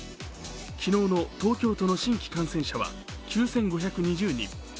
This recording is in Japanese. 昨日の東京都の新規感染者は９５２０人。